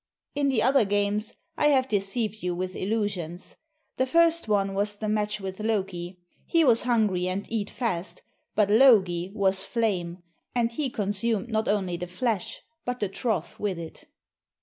In the other games, I have deceived you with illusions. The first one was the match with Loki. He was hungry and eat fast, but Logi was Flame, and he consumed not only the flesh but the trough with it.